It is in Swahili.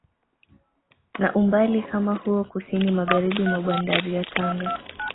Na umbali kama huo kusini Magharibi mwa bandari ya Tanga